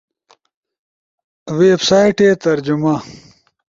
ویب سائٹے ترجمہ